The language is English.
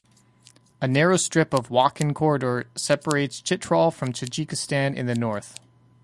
A narrow strip of Wakhan Corridor separates Chitral from Tajikistan in the north.